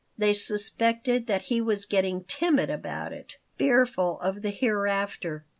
They suspected that he was getting timid about it, fearful of the hereafter.